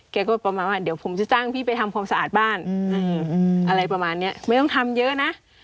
แกก็ประมาณว่าเดี๋ยวผมจะจ้างพี่ไปทำความสะอาดบ้านอะไรประมาณนี้ไม่ต้องทำเยอะนะ